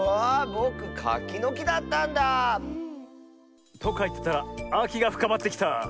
ぼくカキのきだったんだあ。とかいってたらあきがふかまってきた。